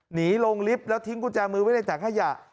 หนีลงลิฟต์แล้วทิ้งกุญแจมือไว้ในถังขยะ